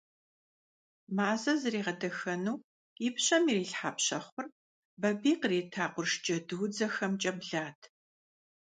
Мазэ зригъэдэхэну и пщэм ирилъхьа пщэхъур Бабий кърита къурш джэдуудзэхэмкӀэ блат.